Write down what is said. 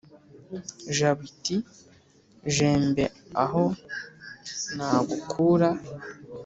jabo iti: jembe aho nagukura